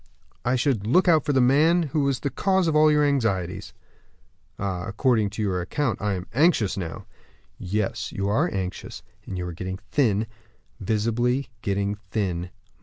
"I should look out for the man who was the cause of all your anxieties." "Ah! according to your account, I am anxious now." "Yes, you are anxious; and you are getting thin, visibly getting thin.